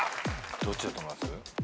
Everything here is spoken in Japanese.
どっちだと思います？